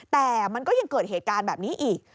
แต่มันก็ยังเกิดเหตุการณ์แบบนี้อีก